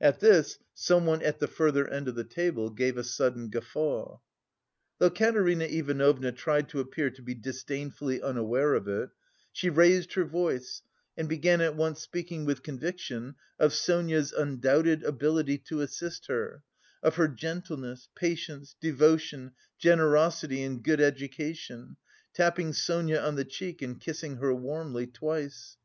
At this someone at the further end of the table gave a sudden guffaw. Though Katerina Ivanovna tried to appear to be disdainfully unaware of it, she raised her voice and began at once speaking with conviction of Sonia's undoubted ability to assist her, of "her gentleness, patience, devotion, generosity and good education," tapping Sonia on the cheek and kissing her warmly twice.